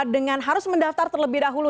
dengan harus mendaftar terlebih dahulu